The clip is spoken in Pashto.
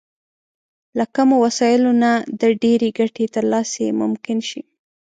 له کمو وسايلو نه د ډېرې ګټې ترلاسی ممکن شي.